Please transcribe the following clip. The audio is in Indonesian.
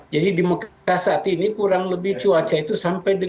jadi di mekah saat ini kurang lebih cuaca itu samping